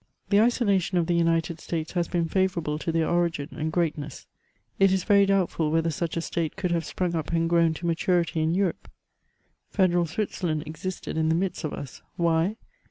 The isolation of the United States has been favourable to their origin and greatness ; it is very doubtful whether such a state could have sprung up and grown to maturity in Europe. Federal Switzerland existed in the midst of us ; why